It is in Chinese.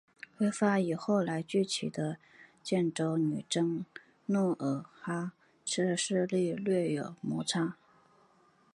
辉发与后来崛起的建州女真努尔哈赤势力屡有摩擦。